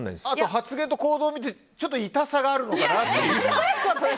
発言と行動を見てちょっとイタさがあるのかなと。